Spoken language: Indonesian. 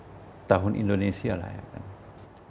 boleh tahun berganti tetapi kita tidak boleh menambah masalah